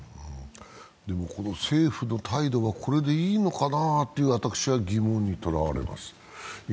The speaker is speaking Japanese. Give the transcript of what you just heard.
政府の態度はこれでいいのかなと私は疑問にとらわれます。